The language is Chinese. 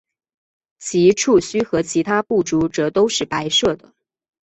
其触须和其他步足则都是白色的。